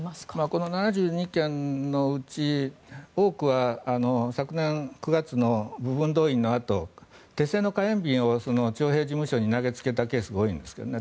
この７２件のうち多くは昨年９月の部分動員のあと手製の火炎瓶を徴兵事務所に投げつけたケースが多いんですけどね。